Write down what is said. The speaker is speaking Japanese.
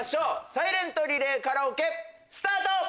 サイレントリレーカラオケスタート！